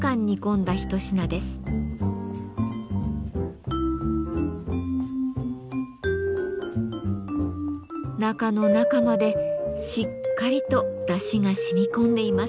中の中までしっかりとだしがしみ込んでいます。